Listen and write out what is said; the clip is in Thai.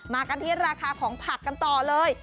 กันที่ราคาของผักกันต่อเลย